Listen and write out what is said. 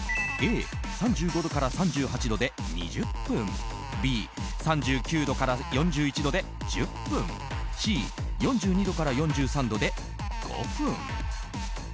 Ａ、３５度から３８度で２０分Ｂ、３９度から４１度で１０分Ｃ、４２度から４３度で５分。